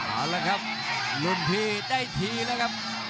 เอาละครับรุ่นพี่ได้ทีแล้วครับ